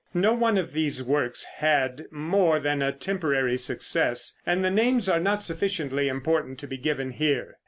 No one of these works had more than a temporary success, and the names are not sufficiently important to be given here.